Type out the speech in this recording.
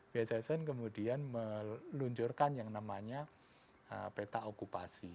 biasa biasa kemudian meluncurkan yang namanya peta okupasi